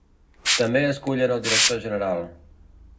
També escullen el director general.